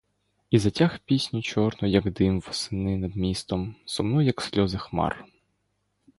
І затяг пісню чорну, як дим в осени над містом, сумну, як сльози хмар.